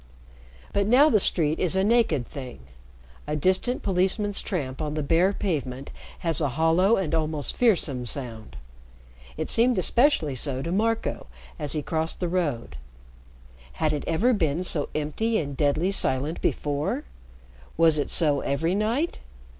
But now the street is a naked thing; a distant policeman's tramp on the bare pavement has a hollow and almost fearsome sound. It seemed especially so to Marco as he crossed the road. Had it ever been so empty and deadly silent before? Was it so every night?